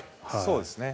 そうですね。